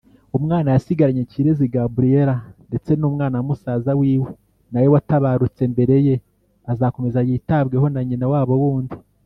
umwana yasigaranye Kirezi Gabriella ndetse n’umwana wa Musaza wiwe nawe watabarutse mbere ye azakomeza yitabweho na nyina wabo wundi.